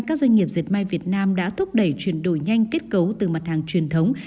các doanh nghiệp dệt may việt nam đã thúc đẩy chuyển đổi nhanh kết cấu từ mặt hàng truyền thống